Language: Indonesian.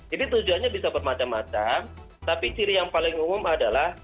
jadi tujuannya bisa bermacam macam tapi ciri yang paling umum adalah